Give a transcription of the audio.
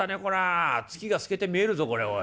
月が透けて見えるぞこれおい。